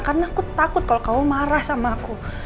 karena aku takut kalau kamu marah sama aku